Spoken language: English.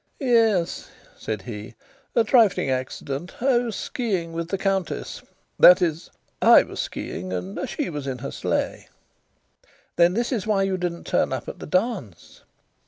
"Yes," said he. "A trifling accident. I was ski ing with the Countess. That is, I was ski ing and she was in her sleigh." "Then this is why you didn't turn up at the dance?"